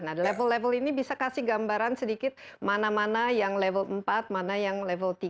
nah level level ini bisa kasih gambaran sedikit mana mana yang level empat mana yang level tiga